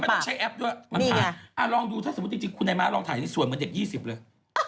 ต้องใช้แอปด้วยมันถ่ายลองดูถ้าสมมุติจริงคุณนายม้าลองถ่ายในสวยเหมือนเด็ก๒๐เลย